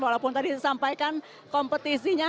walaupun tadi disampaikan kompetisinya